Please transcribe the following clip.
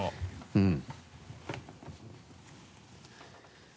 うん。